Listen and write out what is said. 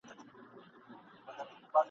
په زحمت چي پکښي اخلمه ګامونه !.